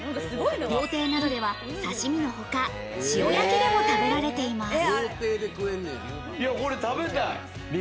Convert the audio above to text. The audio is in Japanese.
料亭などでは刺身のほか、塩焼きでも食べられています。